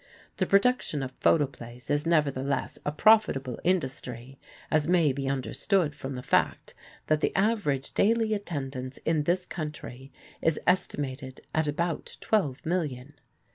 The production of photo plays is nevertheless a profitable industry, as may be understood from the fact that the average daily attendance in this country is estimated at about twelve million.